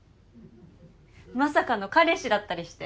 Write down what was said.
まさかの彼氏だったりして。